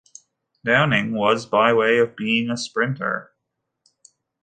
Downing was by way of being a sprinter.